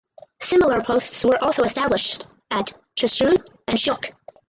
Similar posts were also established at Chushul and Shyok.